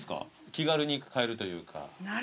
気軽に買えるというか。